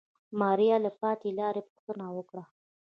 ماريا د پاتې لارې پوښتنه وکړه.